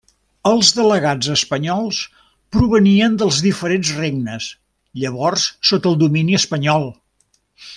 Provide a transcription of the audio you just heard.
Els delegats espanyols provenien dels diferents regnes llavors sota domini espanyol.